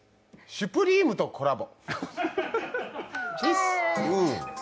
シュプリームとコラボ！